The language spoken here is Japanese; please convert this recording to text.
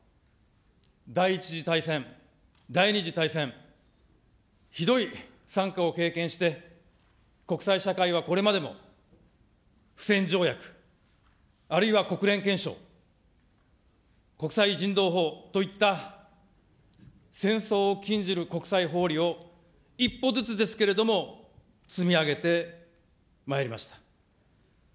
第１次大戦、第２次大戦、ひどい惨禍を経験して、国際社会はこれまでも、不戦条約、あるいは国連憲章、国際人道法といった戦争を禁じる国際ほうりを一歩ずつですけれども、積み上げてまいりました。